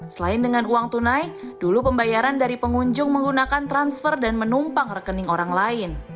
selain dengan uang tunai dulu pembayaran dari pengunjung menggunakan transfer dan menumpang rekening orang lain